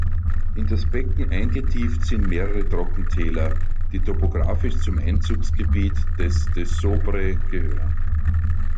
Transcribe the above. In das Becken eingetieft sind mehrere Trockentäler, die topographisch zum Einzugsgebiet des Dessoubre gehören.